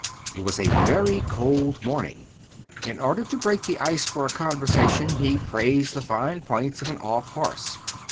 It was a very cold morning. In order to break the ice for a conversation, he praised the fine points of an off horse.